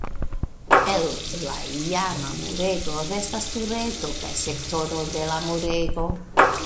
El la iama murego restas tureto kaj sektoro de la murego.